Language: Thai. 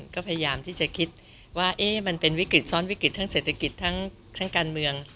ก็พยายามที่จะคิดว่ามันเป็นวิกฤตซ้อนวิกฤตทั้งเศรษฐกิจทั้งการเมือง